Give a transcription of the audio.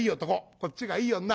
こっちがいい女。